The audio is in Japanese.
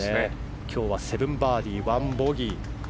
今日は７バーディー１ボギー。